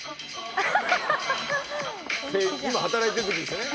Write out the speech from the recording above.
今働いてるときですね